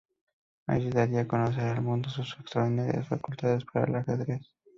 Allí daría a conocer al mundo sus extraordinarias facultades para el ajedrez.